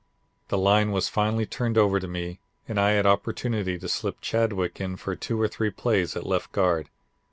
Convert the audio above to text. "The line was finally turned over to me and I had opportunity to slip Chadwick in for two or three plays at left guard.